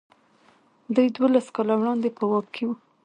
دوی دولس کاله وړاندې په واک کې وو.